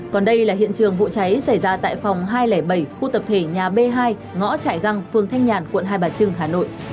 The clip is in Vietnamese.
còn đây là hiện trường vụ cháy xảy ra tại phòng hai trăm linh bảy khu tập thể nhà b hai ngõ trại găng phường thanh nhàn quận hai bà trưng hà nội